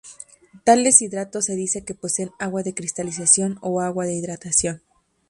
Tales hidratos se dice que poseen "agua de cristalización" o "agua de hidratación".